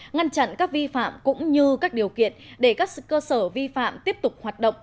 ngăn chặn các vi phạm cũng như các điều kiện để các cơ sở vi phạm tiếp tục hoạt động